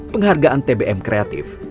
penghargaan tbm kreatif